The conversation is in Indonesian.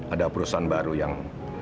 ada perusahaan baru yang